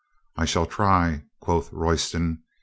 "I shall try," quoth Royston.